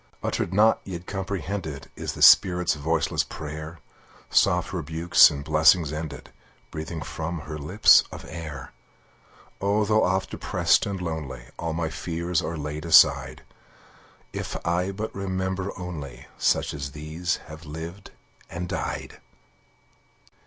Uttered not, yet comprehended, Is the spirit's voiceless prayer, Soft rebukes, in blessings ended, Breathing from her lips of air. Oh, though oft depressed and lonely, All my fears are laid aside, If I but remember only Such as these have lived and died!